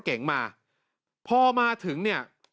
เก๋งมาพอมาถึงเนี่ย